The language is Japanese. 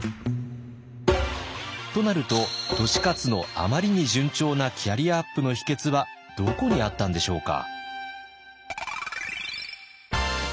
となると利勝のあまりに順調なキャリアアップの秘訣はどこにあったんでしょうか？